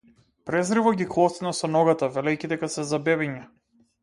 Презриво ги клоцна со ногата велејќи дека се за бебиња.